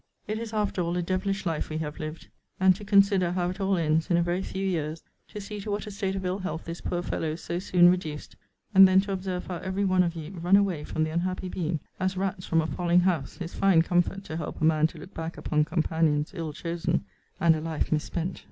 It is, after all, a devilish life we have lived. And to consider how it all ends in a very few years to see to what a state of ill health this poor fellow is so soon reduced and then to observe how every one of ye run away from the unhappy being, as rats from a falling house, is fine comfort to help a man to look back upon companions ill chosen, and a life mis spent!